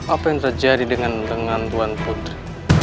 apa yang terjadi dengan tuan putri